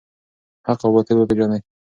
حق او باطل وپیژنئ.